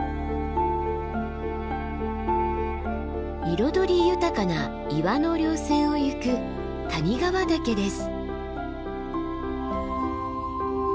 彩り豊かな岩の稜線を行く谷川岳です。